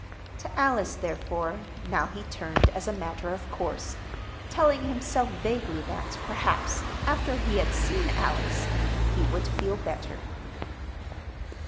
To Alice, therefore, now he turned as a matter of course, telling himself vaguely that, perhaps, after he had seen Alice, he would feel better.